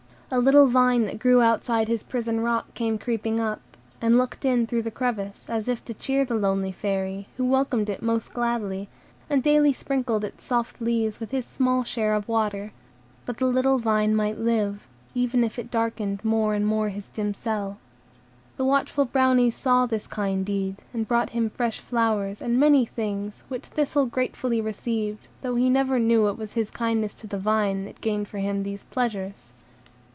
A little vine that grew outside his prison rock came creeping up, and looked in through the crevice, as if to cheer the lonely Fairy, who welcomed it most gladly, and daily sprinkled its soft leaves with his small share of water, that the little vine might live, even if it darkened more and more his dim cell. The watchful Brownies saw this kind deed, and brought him fresh flowers, and many things, which Thistle gratefully received, though he never knew it was his kindness to the vine that gained for him these pleasures.